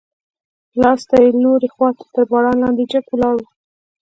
لاستي یې لوړې خواته تر باران لاندې جګ ولاړ و.